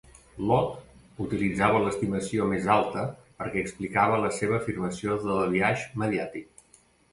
Lott utilitzava l'estimació més alta perquè explicava la seva afirmació de biaix mediàtic.